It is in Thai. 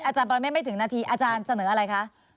อาจารย์ปรเมฆไม่ถึงนัทีอาจารย์เสนออะไรคะ